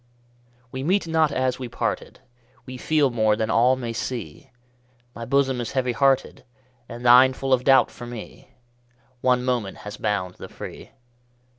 We meet not as we parted, We feel more than all may see; My bosom is heavy hearted, And thine full of doubt for me: One moment has bound the free.